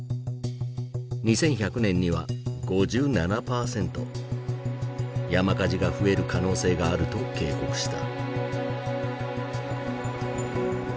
２１００年には５７％山火事が増える可能性があると警告した。